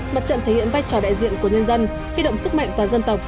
mặt trận thể hiện vai trò đại diện của nhân dân huy động sức mạnh toàn dân tộc